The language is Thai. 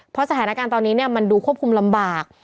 เพราะสถานการณ์ตอนนี้มันดูควบคุมลำบาก